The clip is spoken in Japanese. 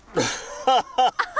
ハハハハ！